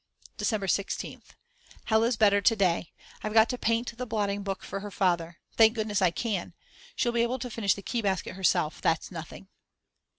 December 16th. Hella's better to day. I've got to paint the blotting book for her father. Thank goodness I can. She'll be able to finish the key basket herself, that's nothing.